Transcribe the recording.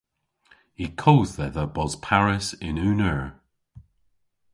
Y kodh dhedha bos parys yn unn eur.